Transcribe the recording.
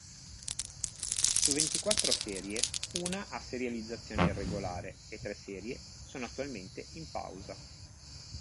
Su ventiquattro serie, una ha serializzazione irregolare e tre serie sono attualmente in pausa.